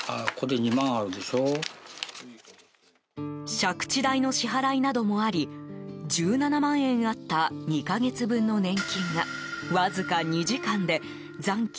借地代の支払いなどもあり１７万円あった２か月分の年金がわずか２時間で残金